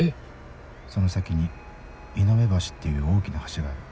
その先に美濃部橋っていう大きな橋がある。